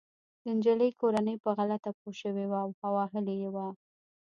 د انجلۍ کورنۍ په غلطه پوه شوې وه او وهلې يې وه